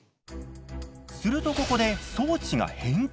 するとここで装置が変形。